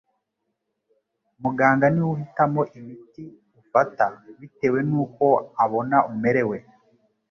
Muganga niwe uhitamo imiti ufata bitewe nuko abona umerewe,